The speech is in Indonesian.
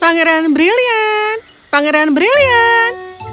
pangeran brilliant pangeran brilliant